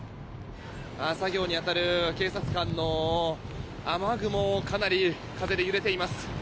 作業に当たる警察官の雨具もかなり風で揺れています。